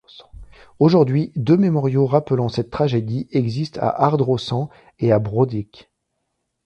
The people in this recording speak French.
Aujourd'hui, deux mémoriaux rappelant cette tragédie existent à Ardrossan et à Brodick.